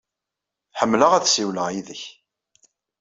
Ḥemmleɣ ad ssiwleɣ yid-k.